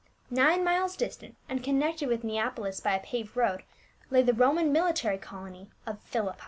Nine miles distant, and connected with Neapolis by a paved road, lay the Roman mili tary colony of Philippi.